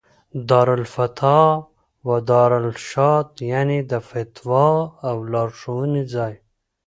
دار الافتاء والارشاد، يعني: د فتوا او لارښووني ځای